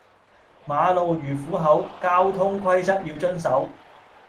馬路如虎口，交通規則要遵守